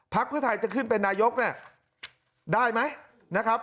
ภักรณ์เพื่อไทยจะขึ้นเป็นนายกได้มั้ยนะครับ